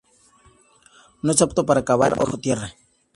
No es apto para cavar o vivir bajo tierra.